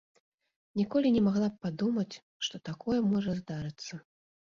Ніколі не магла б падумаць, што такое можа здарыцца.